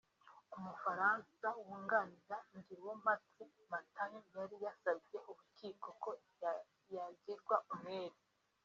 Umufaransa wunganira Ngirumpatse Matayo yari yasabye urukiko ko yagirwa umwere